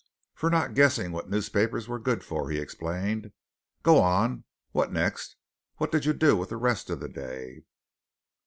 "For not guessing what newspapers were good for," he explained. "Go on! What next? What did you do with the rest of the day?"